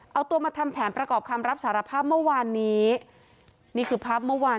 เอาตัวมาทำแผนประกอบคำรับสารภาพเมื่อวานนี้นี่คือภาพเมื่อวาน